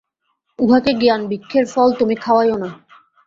উহাকে জ্ঞানবৃক্ষের ফল তুমি খাওয়াইয়ো না।